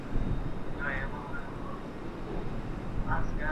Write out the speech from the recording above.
ملګري راته وایي ددغه سړي څنګه د شناخته رنګ دی